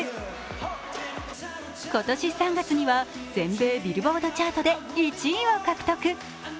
今年３月には全米ビルボードチャートで１位を獲得。